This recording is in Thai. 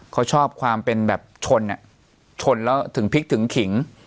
เขาชอบความเป็นแบบชนชนแล้วถึงพลิกถึงขิง